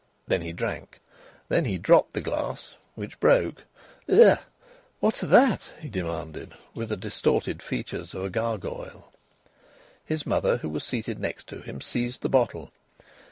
Then he drank. Then he dropped the glass, which broke. "Ugh! What's that?" he demanded, with the distorted features of a gargoyle. His mother, who was seated next to him, seized the bottle.